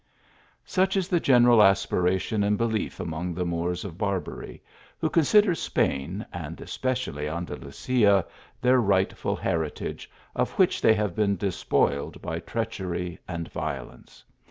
Such is the general aspiration and belief among the Moors of Barbary ; who consider Spain, and especially Andalusia, their rightful heritage, of which they have been despoiled by treachery and violence.